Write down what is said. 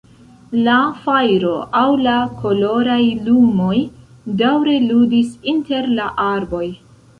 La fajro aŭ la koloraj lumoj daŭre ludis inter la arboj.